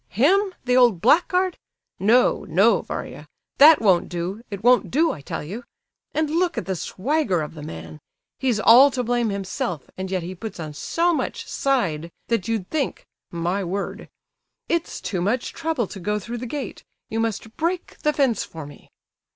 Him—the old blackguard? No, no, Varia—that won't do! It won't do, I tell you! And look at the swagger of the man! He's all to blame himself, and yet he puts on so much 'side' that you'd think—my word!—'It's too much trouble to go through the gate, you must break the fence for me!